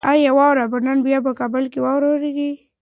ایا واوره به نن بیا په کابل کې وورېږي؟